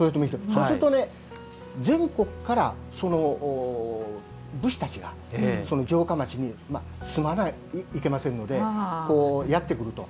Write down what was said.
そうするとね全国から武士たちがその城下町に住まないけませんのでやって来ると。